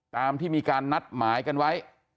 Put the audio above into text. ตามที่มีการนัดหมายกันไว้